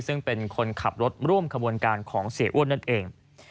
ซึ่งเป็นคนขับรถร่วมขบวนการของเสียอ้วนนั่นเอง